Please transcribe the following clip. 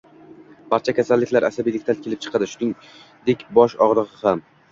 Barcha kasalliklar asabiylikdan kelib chiqadi, shuningdek, bosh og‘rig‘i ham